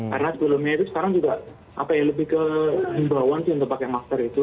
karena sebelumnya itu sekarang juga lebih ke jimbawan sih untuk pakai masker itu